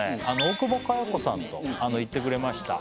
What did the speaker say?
大久保佳代子さんと行ってくれました